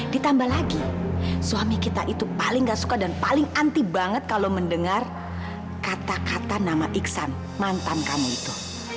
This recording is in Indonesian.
ditambah lagi suami kita itu paling gak suka dan paling anti banget kalau mendengar kata kata nama iksan mantan kamu itu